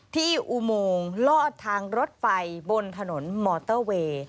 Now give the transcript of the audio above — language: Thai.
อุโมงลอดทางรถไฟบนถนนมอเตอร์เวย์